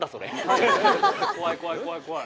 怖い怖い怖い怖い。